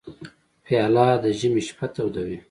پیاله د ژمي شپه تودوي.